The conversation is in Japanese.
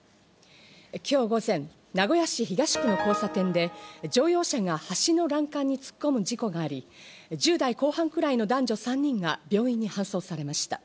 今日午前、名古屋市東区の交差点で、乗用車が橋の欄干に突っ込む事故があり、１０代後半くらいの男女３人が病院に搬送されました。